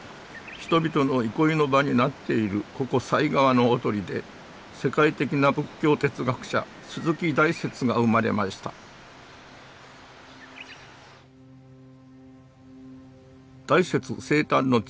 人々の憩いの場になっているここ犀川のほとりで世界的な仏教哲学者鈴木大拙が生まれました大拙生誕の地